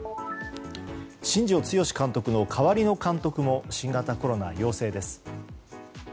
新庄剛志監督の代わりの監督も新型コロナ陽性です。